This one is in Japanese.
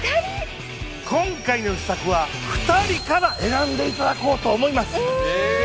今回の秘策は２人から選んでいただこうと思います。